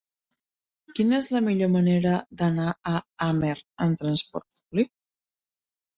Quina és la millor manera d'anar a Amer amb trasport públic?